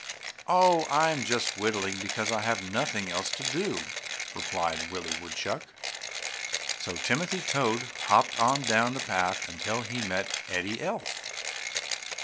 "Oh, I am just whittling because I have nothing else to do!" replied Willie Woodchuck. So Timothy Toad hopped on down the path until he met Eddie Elf.